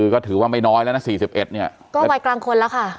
ก็ถือว่าไม่น้อยแล้วนะ๔๑เนี่ยก็วัยกลางคนแล้วค่ะ